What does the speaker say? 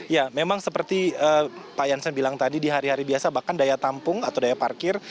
ya memang seperti pak jansen bilang tadi di hari hari biasa bahkan daya tampung atau daya parkir